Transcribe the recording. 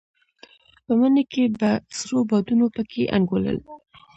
په مني کې به سړو بادونو په کې انګولل.